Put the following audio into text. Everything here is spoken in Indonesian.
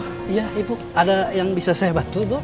oh iya ibu ada yang bisa saya bantu ibu